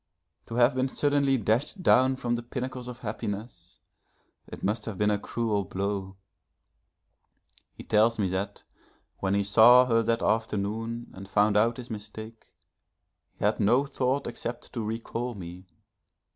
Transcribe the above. To have been suddenly dashed down from the pinnacles of happiness, it must have been a cruel blow. He tells me that when he saw her that afternoon and found out his mistake, he had no thought except to recall me.